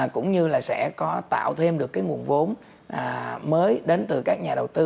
cũng như là sẽ có tạo thêm được cái nguồn vốn mới đến từ các nhà đầu tư